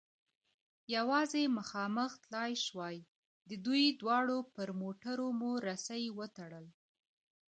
یوازې مخامخ تلای شوای، د دوی دواړو پر موټرو مو رسۍ و تړل.